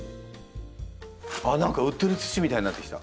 あっ何か売ってる土みたいになってきた。